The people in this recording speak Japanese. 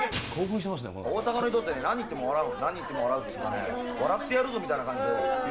大阪の人って何言っても笑うの、何言っても笑うっていうかね、笑ってやるぞみたいな感じで。